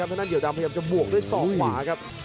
เพราะฉะนั้นเฮียวดำพยายามจะบวกด้วยส่องขวาครับ